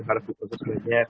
dan kalau di proses lainnya